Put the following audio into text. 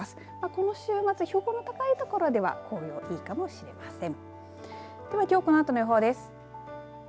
この週末標高の高いところでは紅葉いいかもしれません。